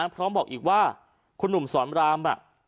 พร้อมบอกอีกว่าคุณหนุ่มสอนราม